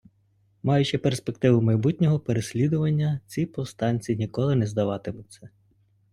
Маючи перспективу майбутнього переслідування, ці повстанці ніколи не здаватимуться.